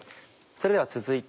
それでは続いて。